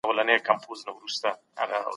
په دغه مابينځ کي د حق او باطل جنګ دی.